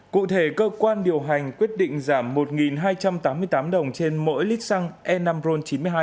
cụ thể cơ quan điều hành quyết định giảm một hai trăm tám mươi tám đồng trên mỗi lít xăng e năm ron chín mươi hai